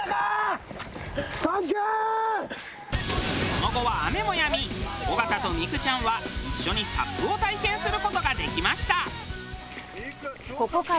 その後は雨もやみ尾形と三九ちゃんは一緒にサップを体験する事ができました。